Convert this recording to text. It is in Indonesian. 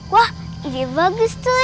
wah ide bagus tuy